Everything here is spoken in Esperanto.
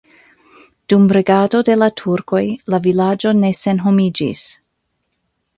Dum regado de la turkoj la vilaĝo ne senhomiĝis.